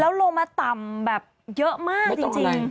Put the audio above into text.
แล้วลงมาต่ำแบบเยอะมากจริง